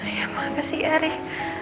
ya makasih ya rik